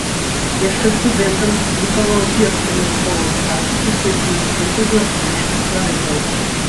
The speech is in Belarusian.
Яшчэ студэнтам апублікаваў першую навуковую працу, прысвечаную сінтэзу арганічных хларыдаў.